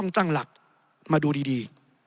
ในทางปฏิบัติมันไม่ได้